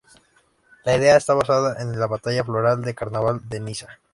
La idea está basada en la batalla floral de Carnaval de Niza.